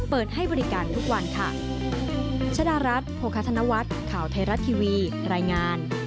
เปิดให้บริการทุกวันค่ะ